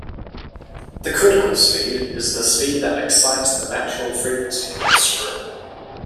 The critical speed is the speed that excites the natural frequency of the screw.